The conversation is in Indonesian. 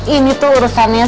ini tuh urusannya